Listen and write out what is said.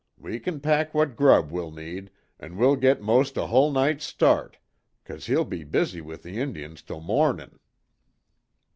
We kin pack what grub we'll need, an' we'll git most a hull night's start, cause he'll be busy with them Injuns till mornin'."